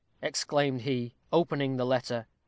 exclaimed he, opening the letter.